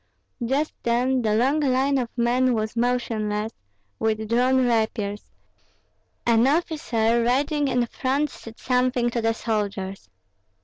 Just then the long line of men was motionless, with drawn rapiers; an officer riding in front said something to the soldiers.